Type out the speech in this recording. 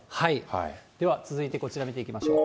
では続いてこちら見ていきましょう。